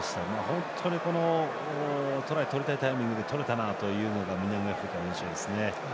本当にトライ、取りたいタイミングで取れたなというのが南アフリカの印象ですね。